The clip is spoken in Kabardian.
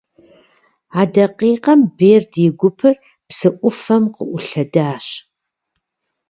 А дакъикъэм Берд и гупыр псы ӏуфэм къыӏулъэдащ.